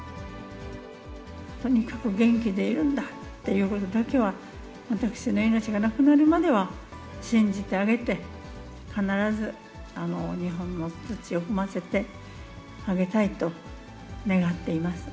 とにかく元気でいるんだっていうことだけは、私の命がなくなるまでは信じてあげて、必ず日本の土を踏ませてあげたいと願っています。